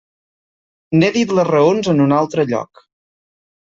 N'he dit les raons en un altre lloc.